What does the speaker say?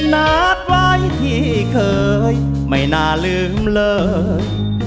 นัดไว้ที่เคยไม่น่าลืมเลย